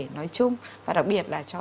nói chung và đặc biệt là cho